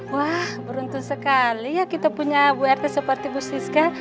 wah beruntung sekali ya kita punya bu rt seperti bu siska